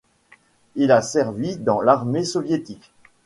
Il a servi dans l'armée soviétique.